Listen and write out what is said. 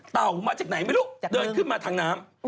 มาจากไหนไม่รู้เดินขึ้นมาทางน้ำ